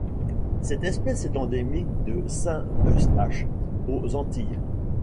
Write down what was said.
Cette espèce est endémique de Saint-Eustache aux Antilles.